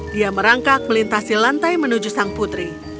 dia merangkak melintasi lantai menuju sang putri